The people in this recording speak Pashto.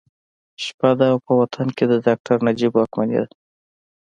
شپه ده او په وطن کې د ډاکټر نجیب واکمني ده